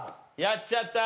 やっちゃった。